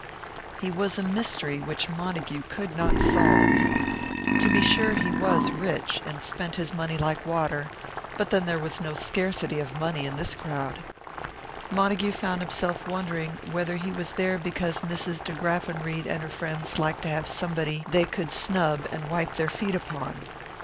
He was a mystery which Montague could not solve. To be sure he was rich, and spent his money like water; but then there was no scarcity of money in this crowd. Montague found himself wondering whether he was there because Mrs. De Graffenried and her friends liked to have somebody they could snub and wipe their feet upon.